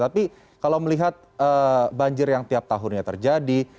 tapi kalau melihat banjir yang tiap tahunnya terjadi